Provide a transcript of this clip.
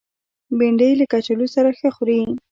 بېنډۍ له کچالو سره ښه خوري